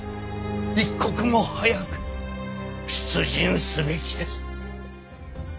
一刻も早く出陣すべきです。